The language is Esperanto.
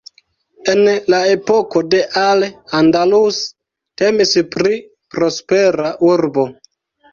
En la epoko de Al Andalus temis pri prospera urbo.